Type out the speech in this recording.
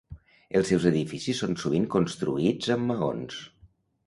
Els seus edificis són sovint construïts amb maons.